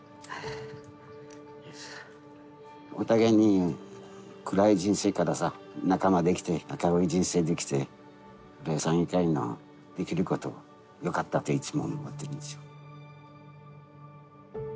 お互いに暗い人生からさ仲間できて明るい人生できて山友会のできることよかったといつも思ってるんですよ。